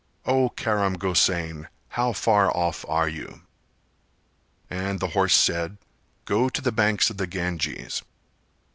O Karam Gosain, how far off are you?" And the horse said "Go to the banks of the Ganges."